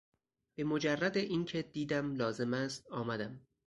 به مجرد اینکه دیدم لازم است آمدم.